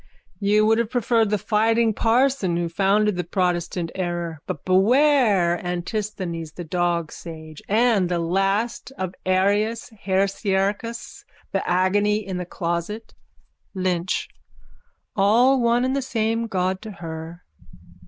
_ You would have preferred the fighting parson who founded the protestant error. But beware Antisthenes, the dog sage, and the last end of Arius Heresiarchus. The agony in the closet. LYNCH: All one and the same God to her.